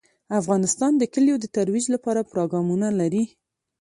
افغانستان د کلیو د ترویج لپاره پروګرامونه لري.